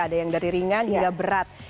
ada yang dari ringan hingga berat